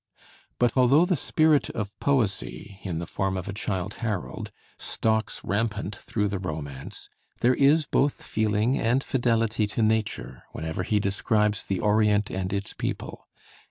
But although the spirit of poesy, in the form of a Childe Harold, stalks rampant through the romance, there is both feeling and fidelity to nature whenever he describes the Orient and its people.